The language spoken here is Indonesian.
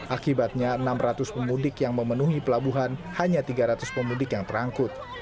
akibatnya enam ratus pemudik yang memenuhi pelabuhan hanya tiga ratus pemudik yang terangkut